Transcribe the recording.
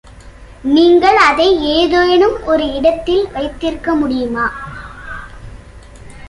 நீங்கள் அதை ஏதேனும் ஒரு இடத்தில் வைத்திருக்க முடியுமா?